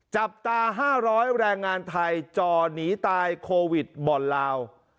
จับตา๕๐๐แรงงานไทยจ่อหนีตายโควิดบ่อนลาว